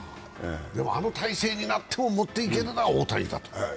でも、あの体勢になっても持っていけるのは大谷だと。